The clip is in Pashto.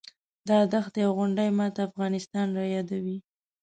دا دښتې او غونډۍ ماته افغانستان رایادوي.